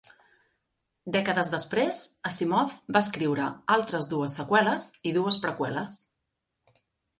Dècades després, Asimov va escriure altres dues seqüeles i dues preqüeles.